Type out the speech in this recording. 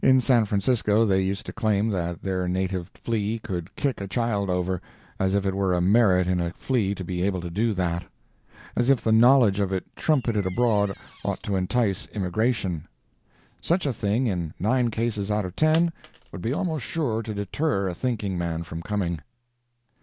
In San Francisco they used to claim that their native flea could kick a child over, as if it were a merit in a flea to be able to do that; as if the knowledge of it trumpeted abroad ought to entice immigration. Such a thing in nine cases out of ten would be almost sure to deter a thinking man from coming.